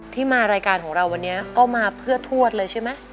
ที่มารายการของเราวันนี้ก็มาเพื่อทวดเลยใช่ไหม